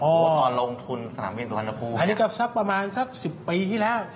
หรือว่าตอนลงทุนสนามบินสุวรรณภูมิอันนี้ก็ประมาณสัก๑๐ปีที่แล้ว